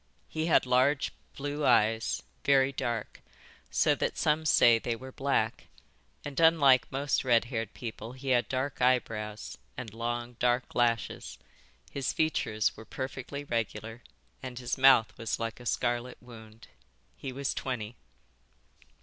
He had large blue eyes, very dark, so that some say they were black, and unlike most red haired people he had dark eyebrows and long dark lashes. His features were perfectly regular and his mouth was like a scarlet wound. He was twenty."